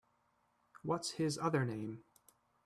What’s his other name?